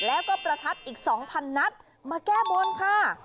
แล้วก็ประทัดอีก๒๐๐นัดมาแก้บนค่ะ